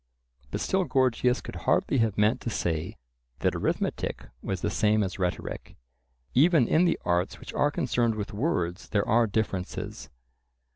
But still Gorgias could hardly have meant to say that arithmetic was the same as rhetoric. Even in the arts which are concerned with words there are differences.